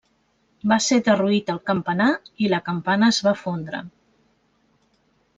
Va ser derruït el campanar i la campana es va fondre.